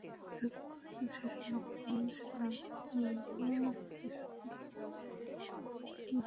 তারপর পাকিস্তান শাসন গেল, বাংলাদেশ স্বাধীন অলো, মেলা সরকার ক্ষমতায় আসলো-গ্যালো।